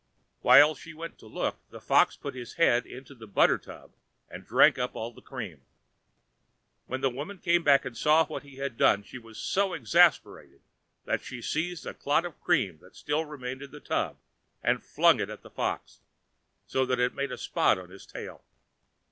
While she went to look, the Fox put his head into the butter tub and drank up all the cream. When the woman came back and saw what he had done, she was so exasperated that she seized a clot of cream that still remained in the tub and flung it at the Fox, so that it made a spot upon his tail.